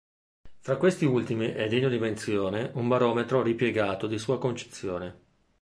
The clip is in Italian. Fra questi ultimi è degno di menzione un barometro "ripiegato" di sua concezione.